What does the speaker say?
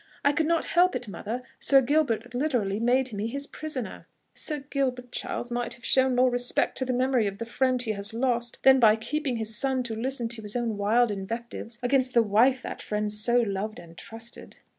I could not help it, mother; Sir Gilbert literally made me his prisoner." "Sir Gilbert, Charles, might have shown more respect to the memory of the friend he has lost, than by keeping his son to listen to his own wild invectives against the wife that friend so loved and trusted."